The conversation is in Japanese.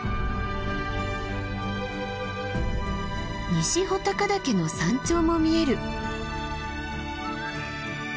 西穂高岳の山頂も見える。